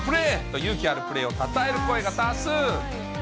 勇気あるプレーをたたえる声が多数。